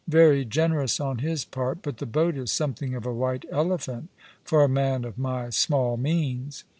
Very generous on his part ; but the boat is some thing of a white elephant for a man of my small means.